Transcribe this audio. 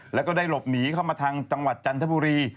แล้วก็ได้หลบหนีเข้ามาทางจังหวัดจันทบุรี